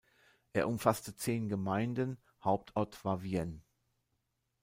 Er umfasste zehn Gemeinden, Hauptort war Vienne.